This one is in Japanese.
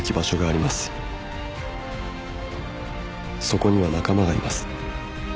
「そこには仲間がいます」